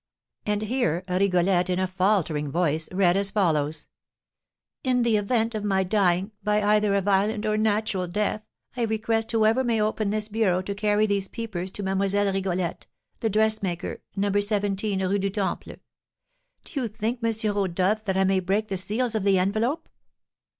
And here Rigolette, in a faltering voice, read as follows: "'In the event of my dying by either a violent or natural death, I request whoever may open this bureau to carry these papers to Mlle. Rigolette, dressmaker, No. 17 Rue du Temple.' Do you think, M. Rodolph, that I may break the seals of the envelope?"